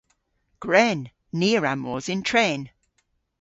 Gwren! Ni a wra mos yn tren.